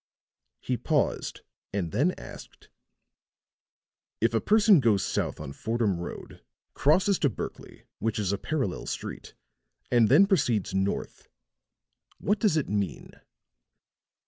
He paused and then asked: "If a person goes south on Fordham Road, crosses to Berkley, which is a parallel street, and then proceeds north, what does it mean?"